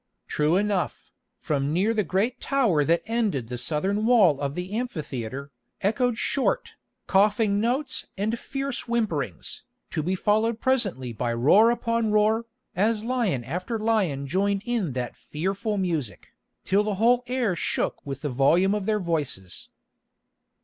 True enough, from near the great tower that ended the southern wall of the amphitheatre, echoed short, coughing notes and fierce whimperings, to be followed presently by roar upon roar, as lion after lion joined in that fearful music, till the whole air shook with the volume of their voices.